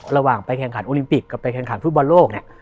ระหว่างไปแข่งขันโอลิมปิกกับไปแข่งขันฟุตบอลโลกเนี่ย